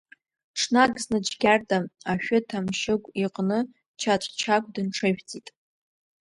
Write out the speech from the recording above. Ҽнак зны Џьгьарда Ашәы Ҭамшьыгә иҟны Чаҵә Чагә дынҽыжәҵит.